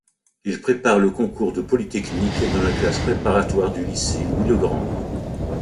Il prépare le concours de Polytechnique dans la classe préparatoire du lycée Louis-le-Grand.